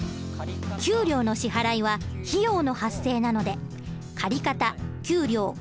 給料の支払いは費用の発生なので借方給料２０万円。